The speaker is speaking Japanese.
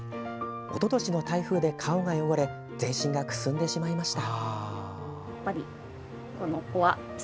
おととしの台風で顔が汚れ全身がくすんでしまいました。